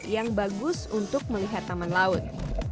yang bagus untuk melihat taman laut